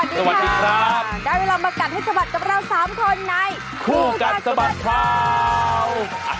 สวัสดีครับได้เวลามากัดให้สะบัดกับเราสามคนในคู่กัดสะบัดข่าว